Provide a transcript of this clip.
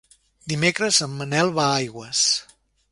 Dimecres en Manel va a Aigües.